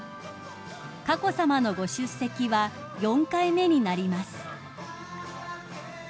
［佳子さまのご出席は４回目になります］